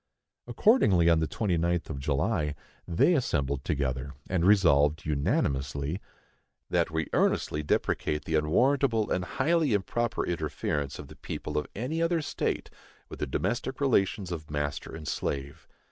Accordingly, on the 29th of July, they assembled together, and Resolved, unanimously, That we earnestly deprecate the unwarrantable and highly improper interference of the people of any other state with the domestic relations of master and slave.